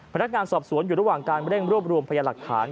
พนักงานสอบสวนอยู่ระหว่างการเร่งรวบรวมพยาหลักฐาน